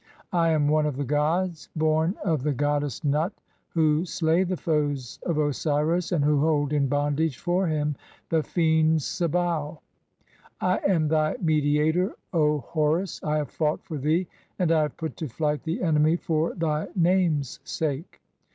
I am [one] of the gods (9) born of the "goddess Nut, who slay the foes of Osiris and who hold in "bondage (10) for him the fiend Sebau. I am thy mediator (:), "O Horus. (11) I have fought for thee, and I have put to flight "the enemy for thy name's sake.